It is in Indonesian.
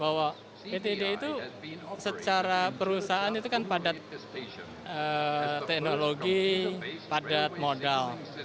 bahwa ptd itu secara perusahaan itu kan padat teknologi padat modal